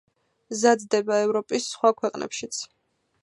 მზადდება ევროპის სხვა ქვეყნებშიც.